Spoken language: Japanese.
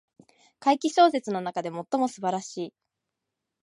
怪奇小説の中で最も素晴らしい